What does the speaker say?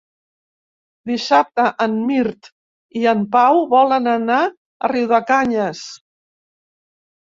Dissabte en Mirt i en Pau volen anar a Riudecanyes.